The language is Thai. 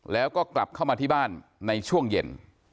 แล้วก็กลับเข้ามาที่บ้านในช่วงเย็น